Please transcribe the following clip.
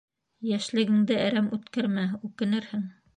Йәшлегеңде әрәм үткәрмә, үкенерһең.